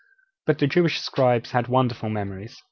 But the Jewish scribes had wonderful memories.